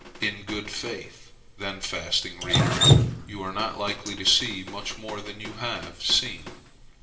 In good faith, then, fasting reader, you are not likely to see much more than you have seen.